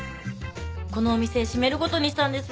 このお店閉めることにしたんですよ